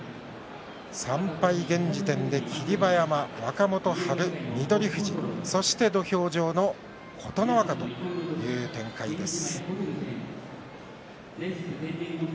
３敗で現時点では霧馬山、若元春、翠富士そして土俵上の琴ノ若という展開です。